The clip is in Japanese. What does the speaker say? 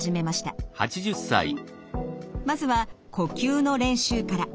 まずは呼吸の練習から。